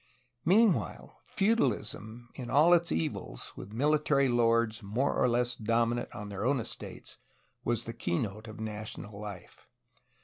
Meanwhile, feudalism in all its evils, with military lords more or less dominant on their own estates, was the keynote of national life.